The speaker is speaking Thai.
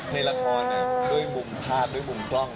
ในละครด้วยมุมภาพด้วยมุมกล้อง